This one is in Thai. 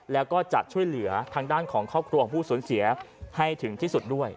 แล้วก็จะช่วยเหลือทางด้านของครอบครัวของผู้สูญเสียให้ถึงที่สุดด้วย